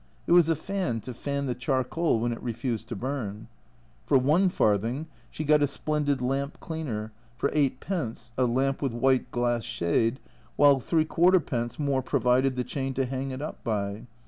It was a fan to fan the charcoal when it refused to burn. For one farthing she got a splendid lamp cleaner, for 8d. a lamp with white glass shade, while d. more provided the chain to hang it up by.